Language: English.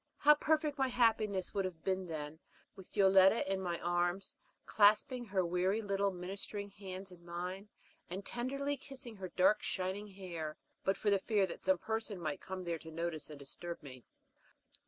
How perfect my happiness would have been then, with Yoletta in my arms, clasping her weary little ministering hands in mine, and tenderly kissing her dark, shining hair, but for the fear that some person might come there to notice and disturb me.